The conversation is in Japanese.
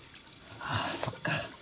ああそっか。